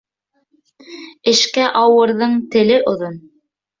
Эшкә ауырҙың теле оҙон.